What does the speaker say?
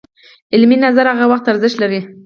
علمي نظر هغه وخت ارزښت لري